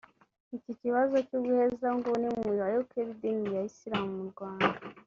Iki kibazo cy’uguhezanguni mu bayoboke b’idini ya Islam mu Rwanda